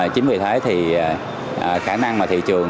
chính vì thế thì khả năng mà thị trường